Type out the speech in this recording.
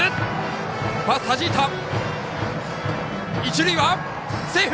一塁はセーフ！